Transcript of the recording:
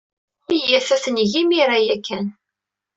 Iyyat ad t-neg imir-a ya kan.